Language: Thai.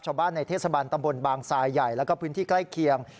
ชาวบ้านในเทศบาลตำบลบางทรายใหญ่แล้วก็พื้นที่ใกล้เคียง